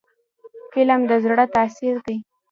فلم د زړه تاثیر دی